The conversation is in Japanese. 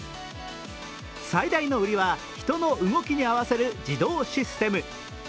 最大の売りは人の動きに合わせる自動システム。